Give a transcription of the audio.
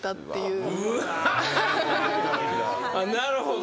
なるほど。